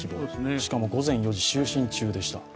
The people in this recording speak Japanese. しかも、午前４時、就寝中でした。